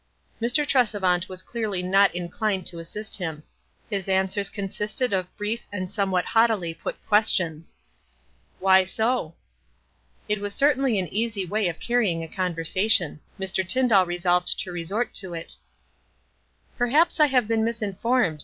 Mr. Tresevant was clearly not inclined to assist him. His answers consisted of brief and somewhat haughtily put questions. "Why so?" It was certainly an easy way of carrying on a conversation. Mr. Tyndall resolved to re sort to it. "Perhaps I have been misinformed.